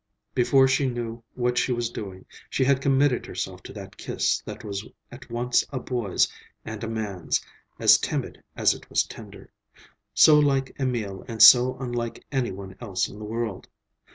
Before she knew what she was doing, she had committed herself to that kiss that was at once a boy's and a man's, as timid as it was tender; so like Emil and so unlike any one else in the world.